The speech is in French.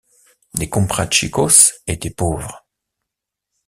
Les comprachicos étaient pauvres.